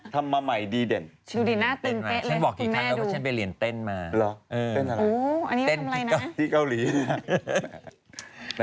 ทำมาใหม่ดีเด่น